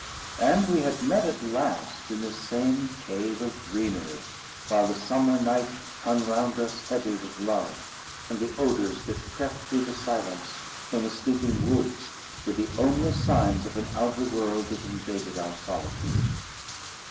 And we had met at last in this same cave of greenery, while the summer night hung round us heavy with love, and the odours that crept through the silence from the sleeping woods were the only signs of an outer world that invaded our solitude.